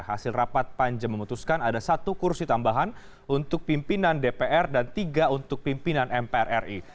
hasil rapat panja memutuskan ada satu kursi tambahan untuk pimpinan dpr dan tiga untuk pimpinan mpr ri